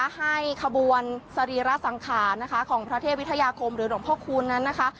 ให้ขบวนสรีระสังขารนะคะของพระเทพวิทยาคมหรือหลวงพ่อคูณนั้นนะคะ